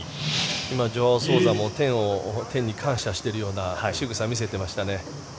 今、ジョアオ・ソウザも天に感謝しているようなしぐさを見せていましたね。